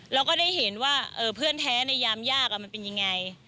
เราก็ได้เห็นว่าเพื่อนแท้ในยามยากมันเป็นยังไง